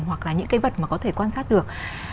hoặc là những cái vật mà có thể quan sát được